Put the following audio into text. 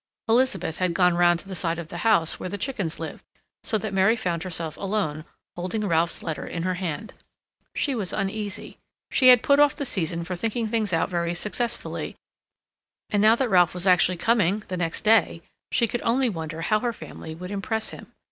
Elizabeth had gone round to the side of the house, where the chickens lived, so that Mary found herself alone, holding Ralph's letter in her hand. She was uneasy. She had put off the season for thinking things out very successfully, and now that Ralph was actually coming, the next day, she could only wonder how her family would impress him.